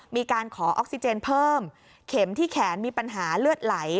มีการขอออกซิเจนเพิ่มเข็มที่แขนมีปัญหาเลือดไหล